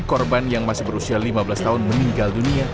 korban yang masih berusia lima belas tahun meninggal dunia